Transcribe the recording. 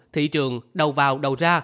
thị trường đầu vào đầu ra